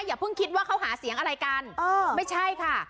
อย่าเพิ่งคิดว่าเขาหาเสียงอะไรกันไม่ใช่ค่ะ